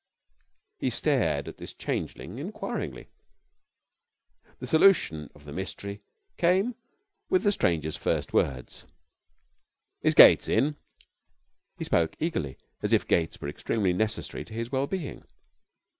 He stared at this changeling inquiringly. The solution of the mystery came with the stranger's first words 'Is Gates in?' He spoke eagerly, as if Gates were extremely necessary to his well being.